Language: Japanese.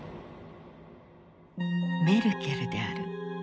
メルケルである。